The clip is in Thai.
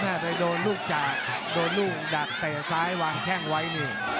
ไปโดนลูกจากโดนลูกดักเตะซ้ายวางแข้งไว้นี่